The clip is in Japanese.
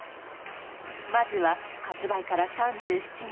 まずは発売から３７年